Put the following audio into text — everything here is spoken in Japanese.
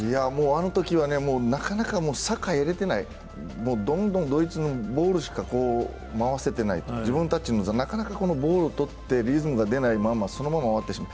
あのときは、サッカーやれてない、どんどんドイツのボールしか回せてない、自分たちのボールをとってリズムが出ないままそのまま終わってしまう。